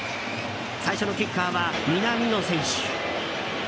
最初のキッカーは南野選手。